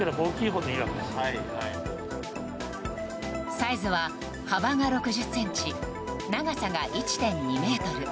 サイズは幅が６０ｃｍ、長さが１．２ｍ。